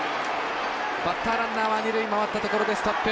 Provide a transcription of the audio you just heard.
バッターランナーは二塁回ったところでストップ。